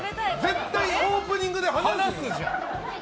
絶対、オープニングで話すじゃん。